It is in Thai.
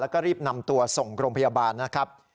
แล้วก็รีบนำตัวส่งโรงพยาบาลนะครับ